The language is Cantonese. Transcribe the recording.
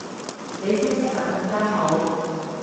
你消失就更加好